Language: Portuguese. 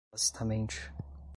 tacitamente